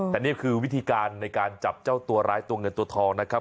แต่นี่คือวิธีการในการจับเจ้าตัวร้ายตัวเงินตัวทองนะครับ